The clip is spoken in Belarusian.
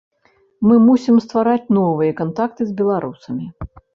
Мы мусім ствараць новыя кантакты з беларусамі.